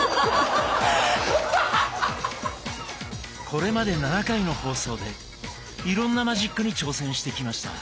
これまで７回の放送でいろんなマジックに挑戦してきました。